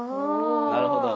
なるほど。